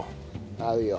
合うよ。